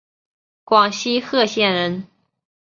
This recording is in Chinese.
广西贺县人。